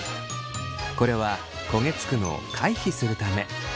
これは焦げつくのを回避するため。